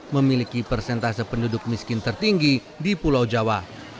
memiliki persentase penduduk miskin tertinggi di pulau jawa